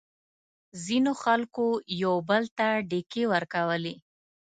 ځینو خلکو یو او بل ته ډیکې ورکولې.